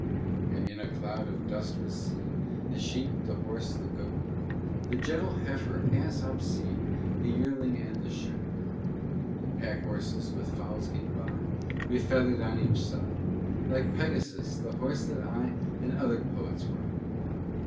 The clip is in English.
And in a cloud of dust was seen The sheep, the horse, the goat, The gentle heifer, ass obscene, The yearling and the shoat. And pack horses with fowls came by, Be feather'd on each side, Like Pegasus, the horse that I And other poets ride.